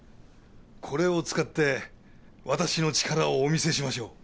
これを使って私の力をお見せしましょう。